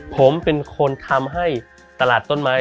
ผมเป็นคนทำให้ตลาดต้นไม้